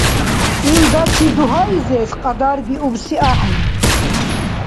— Илдачи дугьаизес кьадарбиубси ахӏен.